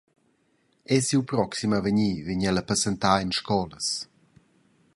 Era siu proxim avegnir vegn el a passentar en scolas.